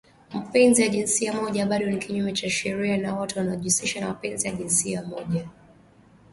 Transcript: Mapenzi ya jinsia moja bado ni kinyume cha sheria na watu wanaojihusisha na mapenzi ya jinsia moja wanakabiliwa na kukamatwa, kutengwa na vurugu